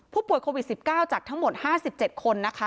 ผู้ป่วยโควิด๑๙จากทั้งหมด๕๗คนนะคะ